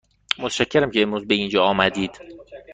متشکرم که امروز به اینجا آمدید.